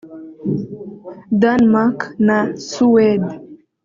Denmark na Suwede